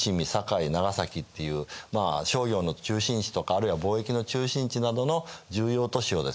長崎っていうまあ商業の中心地とかあるいは貿易の中心地などの重要都市をですね